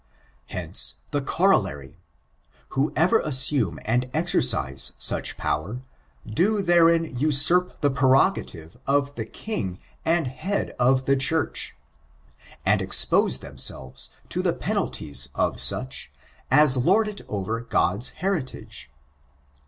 Hence, the Corollary: Who ever assume and exercise sudi power, do therein usurp the prerogative of the King and Head oS the Church, and expose themselves to the penalties of such as lord it over God's heritage.